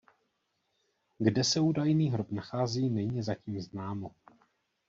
Kde se údajný hrob nachází není zatím známo.